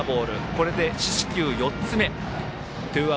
これで四死球４つ目。